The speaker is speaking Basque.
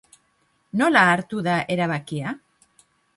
Nola hartu da erabakia?